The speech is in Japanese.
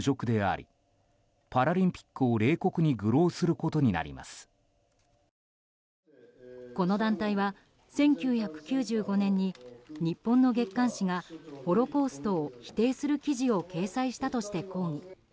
この団体は１９９５年に日本の月刊誌がホロコーストを否定する記事を掲載したとして抗議。